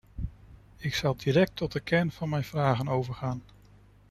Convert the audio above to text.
Ik zal direct tot de kern van mijn vragen overgaan.